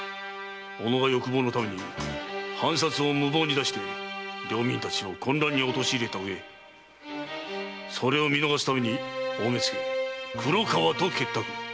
己が欲望のために藩札を無謀に出して領民たちを混乱に陥れたうえそれを見逃すために大目付・黒川と結託。